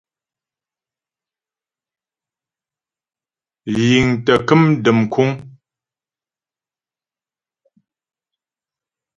Yǐŋ tə kəm dəm kúŋ.